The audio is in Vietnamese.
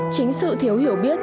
chính sự thiếu hiểu biết